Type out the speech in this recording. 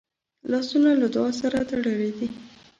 لاسونه له دعا سره تړلي دي